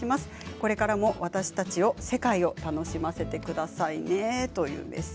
これからも私たちを、世界を楽しませてくださいね。